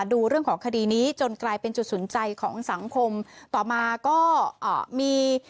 ดูเรื่องของคดีนี้จนกลายเป็นจุดสนใจของสังคมต่อมาก็อ่ามี